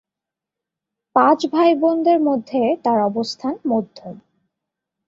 পাঁচ ভাই-বোনদের মধ্যে তার অবস্থান মধ্যম।